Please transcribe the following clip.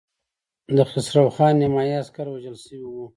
د خسرو خان نيمايي عسکر وژل شوي وو.